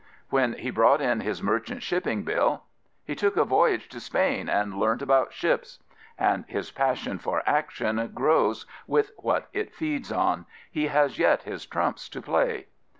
When he brought in his Merchant Shipping Bill he took a voyage to Spain and learned about ships. And 135 Prophets, Priests, and Kings his passion for action grows with what it feeds on. He has yet his trumps to play.